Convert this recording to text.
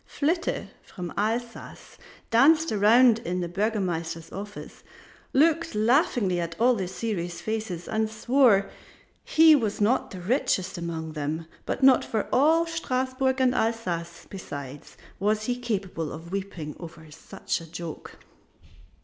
Flitte from Alsace danced around in the Burgomaster's office, looked laughingly at all the serious faces and swore he was not the richest among them, but not for all Strasburg and Alsace besides was he capable of weeping over such a joke.